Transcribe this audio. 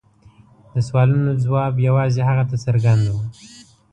د سوالونو ځواب یوازې هغه ته څرګند و.